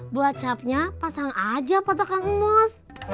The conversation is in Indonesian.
buat capnya pasang aja potok kang ibus